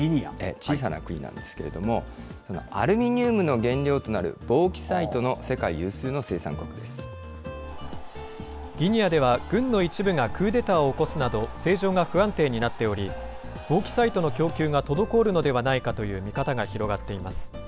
小さな国なんですけれども、アルミニウムの原料となるボーキサイギニアでは軍の一部がクーデターを起こすなど政情が不安定になっており、ボーキサイトの供給が滞るのではないかという見方が広がっています。